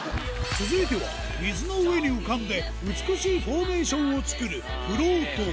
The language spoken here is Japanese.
続いては、水の上に浮かんで、美しいフォーメーションを作るフロート。